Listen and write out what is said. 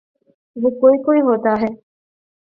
وہ کوئی کوئی ہوتا ہے۔